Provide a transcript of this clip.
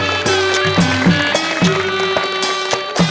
โอ้โหน้องบ้านฟังเลยอ่ะ